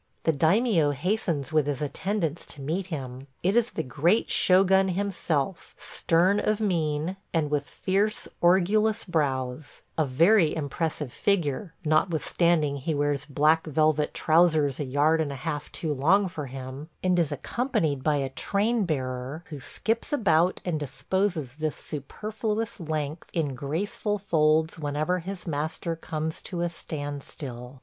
The daimio hastens with his attendants to meet him. It is the great shogun himself, stern of mien, and with fierce, orgulous brows; a very impressive figure, notwithstanding he wears black velvet trousers a yard and a half too long for him, and is accompanied by a train bearer who skips about and disposes this superfluous length in graceful folds whenever his master comes to a standstill.